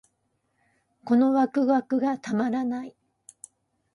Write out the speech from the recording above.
このワクワクがたまらない